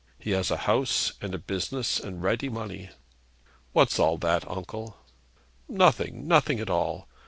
He has a house, and a business, and ready money.' 'What's all that, uncle?' 'Nothing; nothing at all.